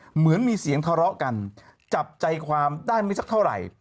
เหมือนมีเสียงทะเลาะกันจับใจความได้ไม่สักเท่าไหร่